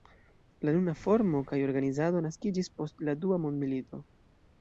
La nuna formo kaj organizado naskiĝis post la Dua mondmilito.